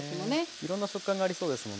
いろんな食感がありそうですものね。